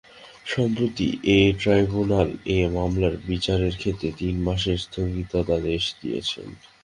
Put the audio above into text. সম্প্রতি এ ট্রাইব্যুনাল এ মামলার বিচারের ক্ষেত্রে তিন মাসের স্থগিতাদেশ দিয়েছেন।